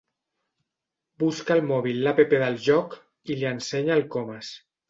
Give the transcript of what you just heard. Busca al mòbil l'App del joc i li ensenya al Comas.